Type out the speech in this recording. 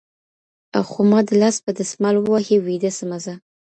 خو ما د لاس په دسمال ووهي ويده سمه زه.